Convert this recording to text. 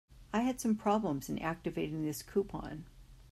I had some problems in activating this coupon.